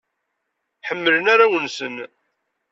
Ḥemmlen arraw-nsen.